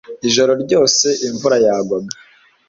Ijoro ryose imvura yagwaga.